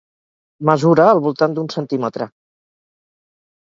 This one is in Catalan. Mesura al voltant d'un centímetre.